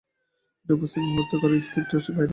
এটি উপস্থিত মুহূর্তে করা, স্ক্রিপ্টের বাইরে।